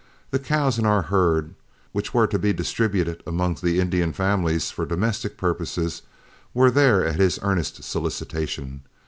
The cows in our herd, which were to be distributed amongst the Indian families for domestic purposes, were there at his earnest solicitation.